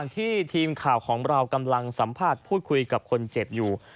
ทีมข่าวของเรากำลังสัมภาษณ์พูดคุยกับคนเจ็บอยู่